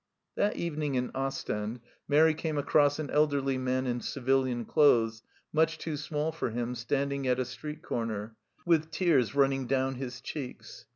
That evening in Ostend, Mairi came across an elderly man in civilian clothes, much too small for him, standing at a street corner, with tears running down his cheeks.